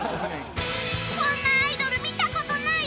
こんなアイドル見た事ない！？